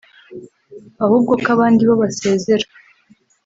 ahubwo ko abandi bo basezera